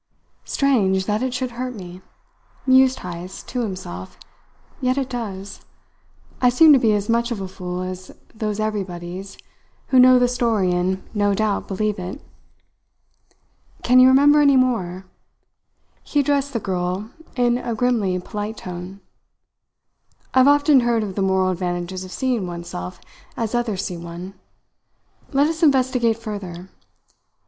"Strange that it should hurt me!" mused Heyst to himself; "yet it does. I seem to be as much of a fool as those everybodies who know the story and no doubt believe it. Can you remember any more?" he addressed the girl in a grimly polite tone. "I've often heard of the moral advantages of seeing oneself as others see one. Let us investigate further.